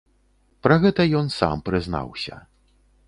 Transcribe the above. Пра гэта ён сам прызнаўся.